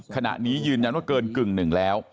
ขณะนี้ยืนยันว่าเกินกึ่งหนึ่งแล้ว